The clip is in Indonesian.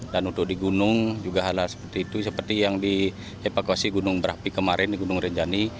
dan untuk di gunung juga ada seperti itu seperti yang di evakuasi gunung berapi kemarin di gunung renjani